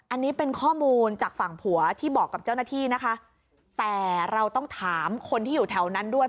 อันนี้เป็นข้อมูลจากฝั่งผัวที่บอกกับเจ้าหน้าที่นะคะแต่เราต้องถามคนที่อยู่แถวนั้นด้วย